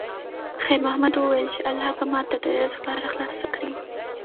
خیر محمد وویل چې الله به ماته د رزق لاره خلاصه کړي.